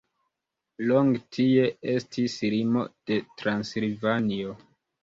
Longe tie estis limo de Transilvanio.